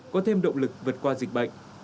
có thêm động lực vượt qua dịch bệnh